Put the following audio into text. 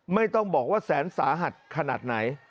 ไม่ต้องบอกว่าแสนสาหัสขนาดไหน